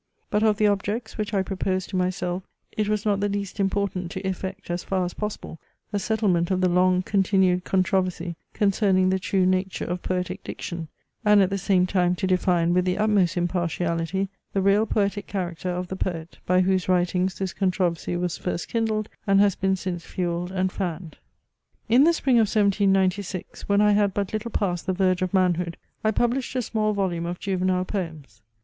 But of the objects, which I proposed to myself, it was not the least important to effect, as far as possible, a settlement of the long continued controversy concerning the true nature of poetic diction; and at the same time to define with the utmost impartiality the real poetic character of the poet, by whose writings this controversy was first kindled, and has been since fuelled and fanned. In the spring of 1796, when I had but little passed the verge of manhood, I published a small volume of juvenile poems.